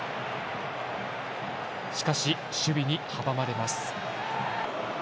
しかし守備に阻まれます。